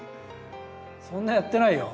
そんなやってないよ。